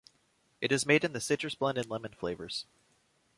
It was made in the Citrus Blend and Lemon flavors.